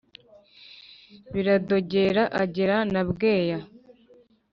biradogera agera na bweya